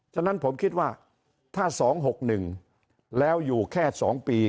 ฉะนั้นผมคิดว่าถ้า๒๖๑แล้วอยู่แค่๒ปี